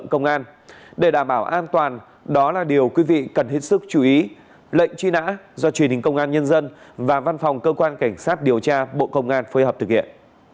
cảnh sát điều tra bộ công an phối hợp thực hiện